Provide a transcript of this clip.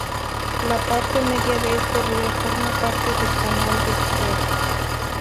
La parte media de este río forma parte del Canal de Kiel.